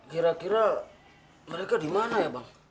kira kira mereka di mana ya bang